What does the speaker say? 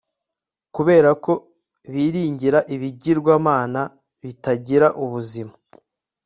kubera ko biringira ibigirwamana bitagira ubuzima